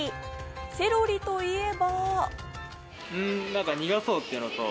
セロリといえば。